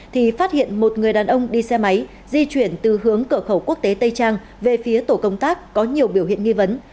thì phát hiện một người đàn ông đi xe máy di chuyển từ hướng cửa khẩu quốc tế tây trang về phía tổ công tác có nhiều biểu hiện nghi vấn